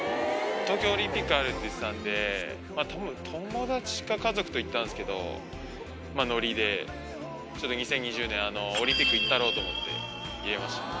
東京オリンピックあるって言ってたんで、たぶん友達か家族と行ったんですけど、ノリで、ちょっと２０２０年、オリンピック行ったろうと思って、入れました。